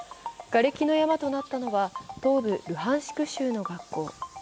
がれきの山となったのは東部ルハンシク州の学校。